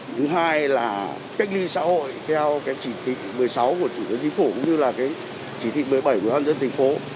thứ hai là cách ly xã hội theo chỉ thị một mươi sáu của thủ đoàn dân thành phố cũng như là chỉ thị một mươi bảy của thủ đoàn dân thành phố